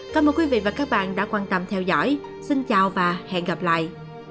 cảm ơn quý vị và các bạn đã quan tâm theo dõi xin chào và hẹn gặp lại